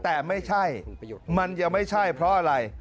แต่ไม่ใช่มันยังไม่ใช่เพราะอะไร